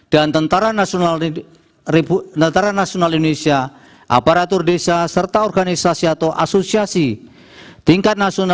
dan tentara nasional indonesia aparatur desa serta organisasi atau asosiasi